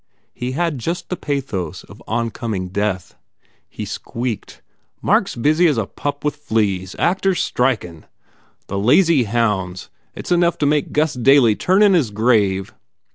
He had just the pathos of oncoming death. He squeaked, "Mark s busy as a pup with fleas. Actors strikin ! The lazy hounds! It s enough to make Gus Daly turn in his grave!"